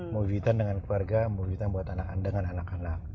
movie time dengan keluarga movie time buat anak anak